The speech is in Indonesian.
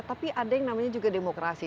tapi ada yang namanya juga demokrasi